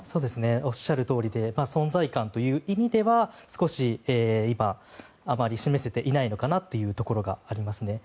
おっしゃるとおりで存在感という意味では少し今、あまり示せていないのかなというところがあります。